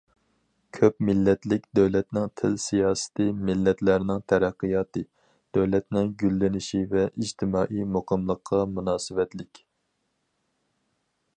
كۆپ مىللەتلىك دۆلەتنىڭ تىل سىياسىتى مىللەتلەرنىڭ تەرەققىياتى، دۆلەتنىڭ گۈللىنىشى ۋە ئىجتىمائىي مۇقىملىققا مۇناسىۋەتلىك.